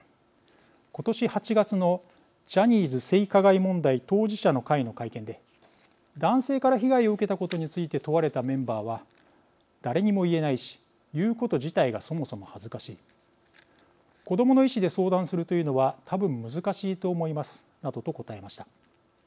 今年８月のジャニーズ性加害問題当事者の会の会見で男性から被害を受けたことについて問われたメンバーは「誰にも言えないし言うこと自体がそもそも恥ずかしい」「子どもの意志で相談するというのはたぶん難しいと思います」などと答えました。